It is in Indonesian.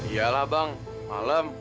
ya bang malam